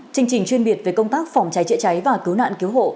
chương trình chuyên biệt về công tác phòng cháy chữa cháy và cứu nạn cứu hộ